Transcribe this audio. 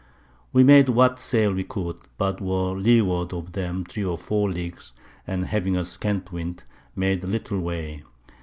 We made what Sail we could, but were to Leeward of them 3 or 4 Leagues, and having a scant Wind, made little Way.